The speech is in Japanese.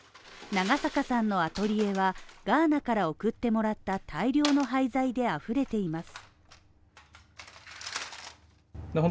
長坂さんのアトリエは、ガーナから送ってもらった大量の廃材であふれています。